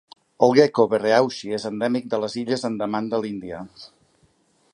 El Gekko verreauxi és endèmic de les Illes Andaman de l'Índia.